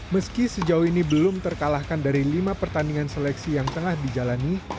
meski sejauh ini belum terkalahkan dari lima pertandingan seleksi yang tengah dijalani